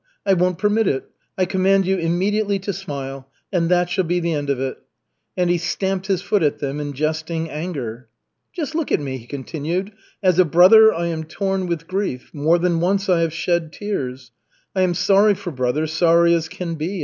I won't permit it. I command you immediately to smile. And that shall be the end of it." And he stamped his foot at them in jesting anger. "Just look at me," he continued. "As a brother I am torn with grief. More than once I have shed tears. I am sorry for brother, sorry as can be.